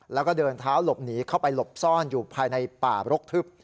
แล้วก็เดินเท้าหลบหนีเข้าไปหลบซ่อนอยู่ภายในป่าบรกทึบ